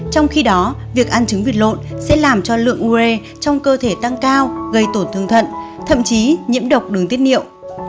trong khi đó việc ăn trứng vịt lộn sẽ làm cho lượng ure trong cơ thể tăng cao gây tổn thương thận thậm chí nhiễm độc đường tiết niệu